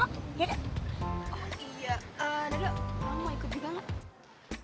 oh iya aduh mau ikut juga gak